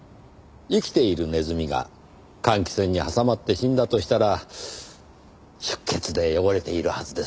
生きているネズミが換気扇に挟まって死んだとしたら出血で汚れているはずです。